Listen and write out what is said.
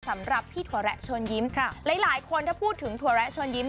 สำหรับพี่ถั่วแระเชิญยิ้มค่ะหลายหลายคนถ้าพูดถึงถั่วแระเชิญยิ้